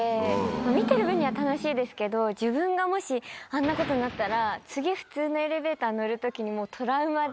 見てる分には楽しいですけど自分がもしあんなことになったら次普通のエレベーターに乗る時にトラウマで。